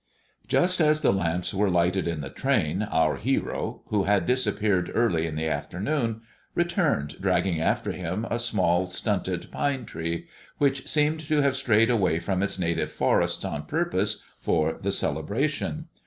Just as the lamps were lighted in the train, our hero, who had disappeared early in the afternoon, returned dragging after him a small, stunted pine tree, which seemed to have strayed away from its native forests on purpose for the celebration.